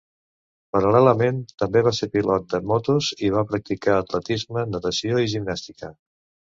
Paral·lelament, també va ser pilot de motos i va practicar atletisme, natació i gimnàstica.